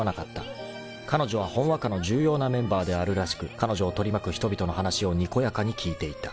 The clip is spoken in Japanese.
［彼女はほんわかの重要なメンバーであるらしく彼女を取り巻く人々の話をにこやかに聞いていた］